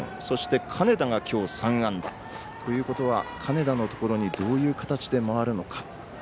そして、金田がきょう３安打。ということは金田のところにどういう形で回るのか。